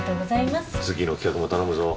次の企画も頼むぞ。